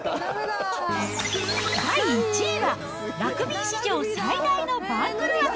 第１位は、ラグビー史上最大の番狂わせ！